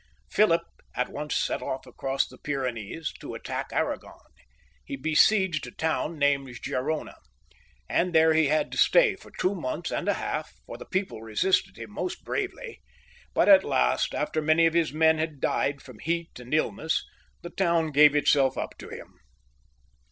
Philip at once set off across the Pyrenees to attack Arragon. He besieged a town named Gerona, and there XX.] PHIUP IIL [LE HARDI), 129 he had to stay for two months and a half, for the people resisted him most bravely ; but at last, after many of his men had died from heat and iUness, the town gave itself up to him.